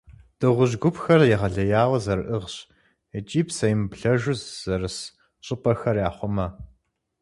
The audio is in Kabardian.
Дыгъужь гупхэр егъэлеяуэ зэрыӏыгъщ, икӏи псэемыблэжу зэрыс щӏыпӏэхэр яхъумэ.